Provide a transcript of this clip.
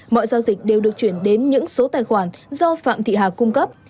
mọi giao dịch đều được chuyển đến những số tài khoản do phạm thị hà cung cấp